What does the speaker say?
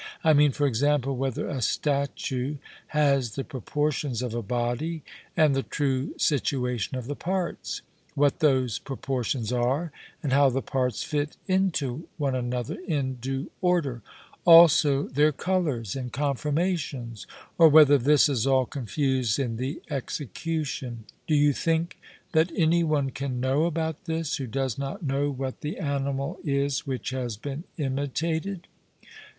I mean, for example, whether a statue has the proportions of a body, and the true situation of the parts; what those proportions are, and how the parts fit into one another in due order; also their colours and conformations, or whether this is all confused in the execution: do you think that any one can know about this, who does not know what the animal is which has been imitated?